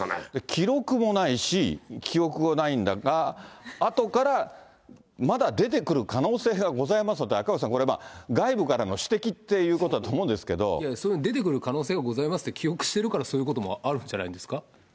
記録もないし、記憶もないんだが、あとからまだ出てくる可能性がございますのでって、赤星さん、これ、外部からの指摘っていうことだと思うんでその出てくる可能性がございますって、記憶してるから、そういうこともあるんじゃないですか。